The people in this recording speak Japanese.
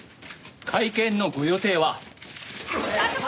会見のご予定は？